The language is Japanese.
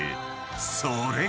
［それが］